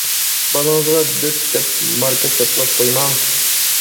بالىڭىزغا دۆت دەپ ماركا چاپلاپ قويماڭ.